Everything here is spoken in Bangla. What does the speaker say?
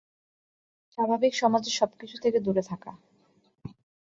স্বাভাবিক সমাজের সবকিছু থেকে দূরে থাকা।